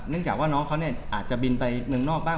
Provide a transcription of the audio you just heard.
เนื่องจากว่าน้องเขาเนี่ยอาจจะบินไปเมืองนอกบ้าง